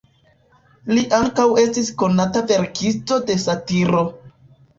Li ankaŭ estis konata verkisto de satiro.